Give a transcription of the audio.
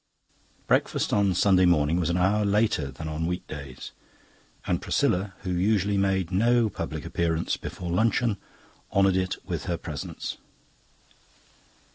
Breakfast on Sunday morning was an hour later than on week days, and Priscilla, who usually made no public appearance before luncheon, honoured it by her presence.